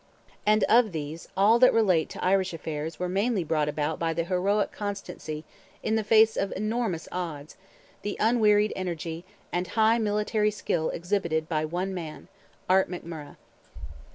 And of these all that relate to Irish affairs were mainly brought about by the heroic constancy, in the face of enormous odds, the unwearied energy, and high military skill exhibited by one man—Art McMurrogh.